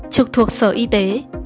trực thuộc sở y tế